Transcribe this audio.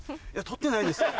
取ってないですよ。